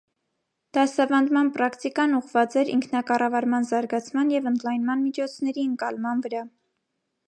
Դասավանդման պրակտիկան ուղղված էր ինքնակառավարման զարգացման և ընդլայման միջոցների ընկալման վրա։